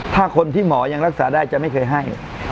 ถ้าคนที่หมอยังรักษาได้จะไม่เคยให้